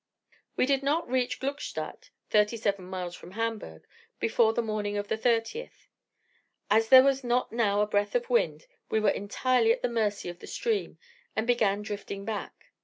We did not reach Gluckstadt (37 miles from Hamburgh) before the morning of the 30th. As there was not now a breath of wind, we were entirely at the mercy of the stream, and began drifting back.